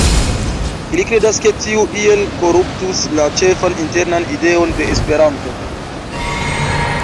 Ili kredas, ke tiu iel koruptus la ĉefan internan ideon de Esperanto